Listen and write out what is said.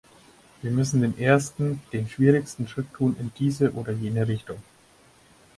Wir müssen den ersten, den schwierigsten Schritt tun, in diese oder jene Richtung.